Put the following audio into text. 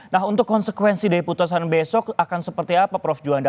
nah untuk konsekuensi dari putusan besok akan seperti apa prof juanda